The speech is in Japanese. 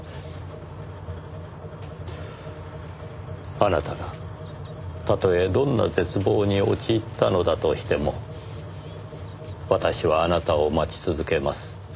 「あなたがたとえどんな絶望におちいったのだとしても私はあなたを待ち続けます」